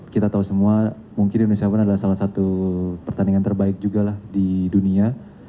kita tahu semua mungkin indonesia open adalah salah satu pertandingan terbaik juga di dunia